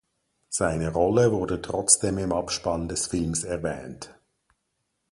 Seine Rolle wurde trotzdem im Abspann des Films erwähnt.